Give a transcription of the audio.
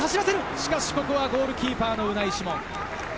しかしここはゴールキーパー・ウナイ・シモン。